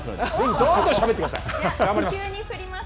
ぜひどんどんしゃべってください。